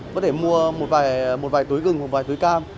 có thể mua một vài túi gừng một vài túi cam